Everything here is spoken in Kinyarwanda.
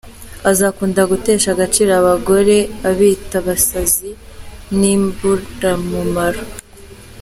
Azakunda gutesha agaciro abagore abita abasazi n’imburamumaro.